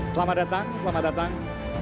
selamat datang selamat datang